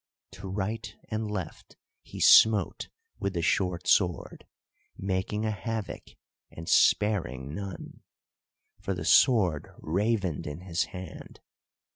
To right and left he smote with the short sword, making a havoc and sparing none, for the sword ravened in his hand.